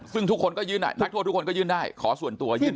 ซึ่งทุกคนก็ยื่นได้นักโทษทุกคนก็ยื่นได้ขอส่วนตัวยื่น